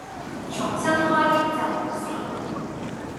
重新開機就冇事